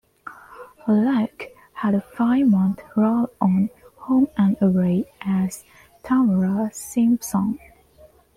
Luck had a five-month role on "Home and Away" as Tamara Simpson.